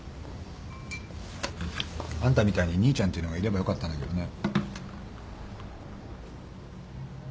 あんたみたいに兄ちゃんてのがいればよかったんだけどね。